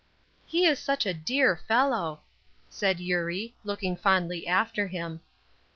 "He is such a dear fellow!" said Eurie, looking fondly after him.